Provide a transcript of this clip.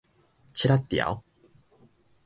拭仔條